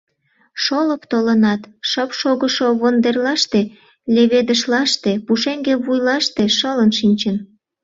Шолып толынат, шып шогышо вондерлаште, леведышлаште, пушеҥге вуйлаште шылын шинчын.